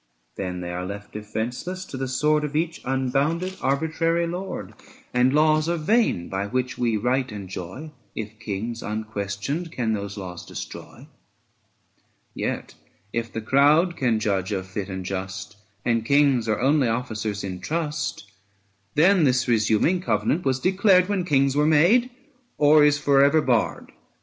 760 Then they are left defenceless to the sword Of each unbounded, arbitrary lord; And laws are vain by which we right enjoy, If kings unquestioned can those laws destroy. Yet if the crowd be judge of fit and just, 765 And kings are only officers in trust, Then this resuming covenant was declared When kings were made, or is for ever barred.